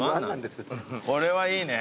これはいいね。